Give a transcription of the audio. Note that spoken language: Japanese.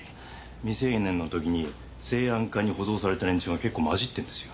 未成年の時に生安課に補導された連中が結構まじってんですよ。